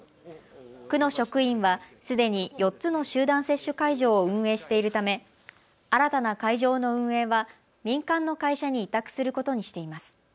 区の職員はすでに４つの集団接種会場を運営しているため新たな会場の運営は民間の会社に委託することにしています。